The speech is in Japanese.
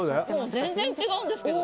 全然違うんですけど。